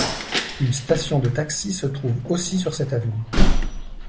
Une station de taxis se trouve aussi sur cette avenue.